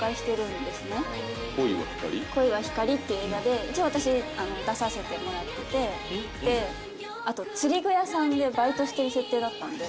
『恋は光』っていう映画で一応私出させてもらっててであと釣り具屋さんでバイトしてる設定だったんで。